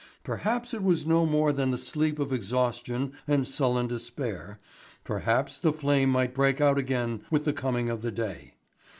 Perhaps it was no more than the sleep of exhaustion and sullen despair, perhaps the flame might break out again with the coming of the day.